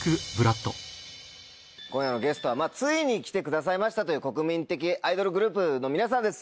今夜のゲストはついに来てくださいましたという国民的アイドルグループの皆さんです。